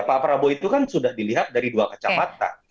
pak prabowo itu kan sudah dilihat dari dua kacamata